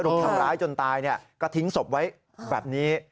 รุมทำร้ายจนตายก็ทิ้งศพไว้แบบนี้